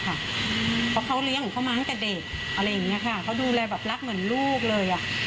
เพราะเขาเลี้ยงของเขามาตั้งแต่เด็กอะไรอย่างนี้ค่ะเขาดูแลแบบรักเหมือนลูกเลย